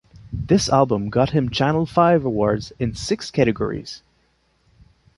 This album got him Channel V Awards in six categories.